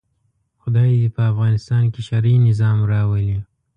خدای دې په افغانستان کې شرعي نظام راولي.